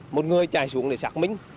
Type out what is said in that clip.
một người chạy xuống để sạc mình